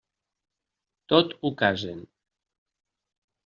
Tot ho casen.